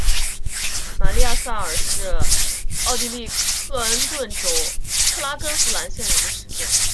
玛丽亚萨尔是奥地利克恩顿州克拉根福兰县的一个市镇。